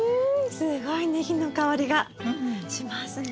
すごいネギの香りがしますね。